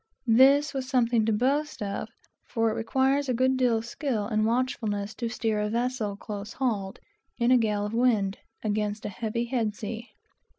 This was something to boast of, for it requires a good deal of skill and watchfulness to steer a vessel close hauled, in a gale of wind, against a heavy head sea.